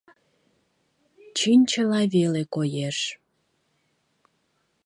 Чинчыла веле коеш.